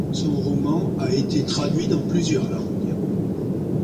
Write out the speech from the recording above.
Son roman a été traduit dans plusieurs langues.